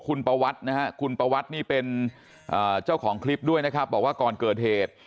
คุณประวัตินะฮะคุณประวัตินี่เป็นเจ้าของคลิปด้วยนะครับบอกว่าก่อนเกิดเหตุ